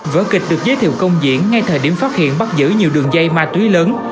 vở kịch được giới thiệu công diễn ngay thời điểm phát hiện bắt giữ nhiều đường dây ma túy lớn